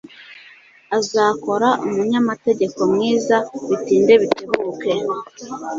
Azakora umunyamategeko mwiza bitinde bitebuke.